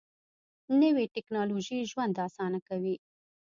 نوې ټیکنالوژي ژوند اسانه کوي